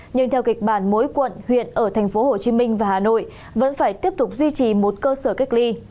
nhưng theo kịch bản mỗi quận huyện ở tp hcm và hà nội vẫn phải tiếp tục duy trì một cơ sở cách ly